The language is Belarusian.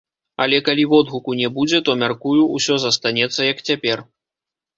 Але калі водгуку не будзе, то, мяркую, усё застанецца як цяпер.